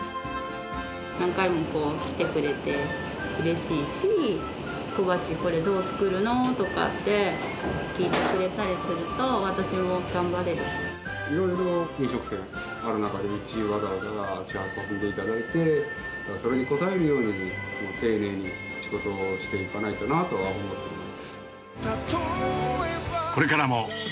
何回も来てくれてうれしいし、小鉢、これどう作るの？とかって、聞いてくれたりすると、いろいろと飲食店がある中で、うちへわざわざ足を運んでいただいて、それに応えるように、丁寧に仕事をしていかないとなとは思っております。